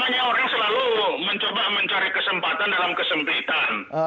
ini kan namanya orang selalu mencoba mencari kesempatan dalam kesempitan